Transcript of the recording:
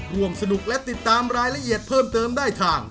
ร่วมสนุกและติดตามรายละเอียดเพิ่มเติมได้ทาง